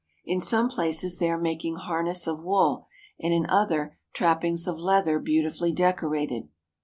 In some places they are making harness of wool and in others trappings of leather beautifully decorated.